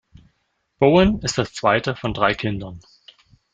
Bowen ist das zweite von drei Kindern.